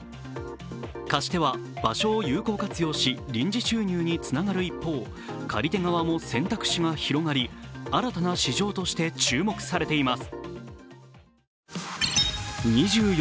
貸し手は場所を有効活用し、臨時収入につながる一方、借り手側も選択肢が広がり、新たな市場として注目されています。